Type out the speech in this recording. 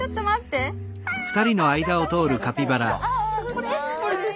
これ？